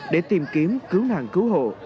để tìm kiếm cứu nàng cứu hộ